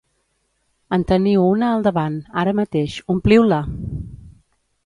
En teniu una al davant, ara mateix: ompliu-la!